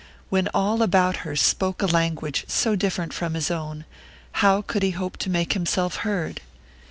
When all about her spoke a language so different from his own, how could he hope to make himself heard?